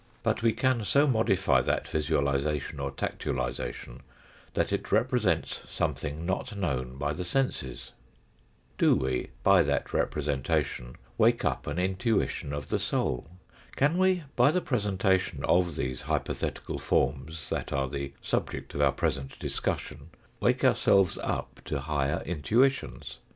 But we can so modify that visualisation or tactualisation that it represents something not known by the senses. Do we by that representation wake up an 260 THE FOURTH DIMENSION intuition of the soul? Can we by the presentation of these hypothetical forms, that are the subject of our present discussion, wake ourselves up to higher intuitions